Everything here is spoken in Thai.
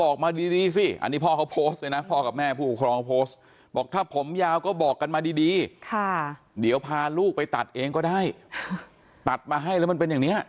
ค่ะเดี๋ยวพาลูกไปตัดเองก็ได้ตัดมาให้แล้วมันเป็นอย่างเนี้ย